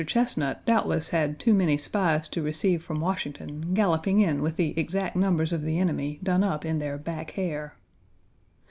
Chesnut doubtless had too many spies to receive from Washington, galloping in with the exact numbers of the enemy done up in their back hair.